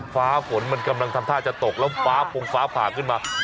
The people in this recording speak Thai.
ฟ้าฝนมันกำลังทำท่าจะตกแล้วฟ้าพงฟ้าผ่าขึ้นมา